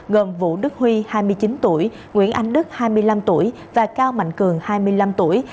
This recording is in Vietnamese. gồm vũ đức huy hai mươi chín tuổi nguyễn anh đức hai mươi năm tuổi và cao mạnh cường hai mươi năm tuổi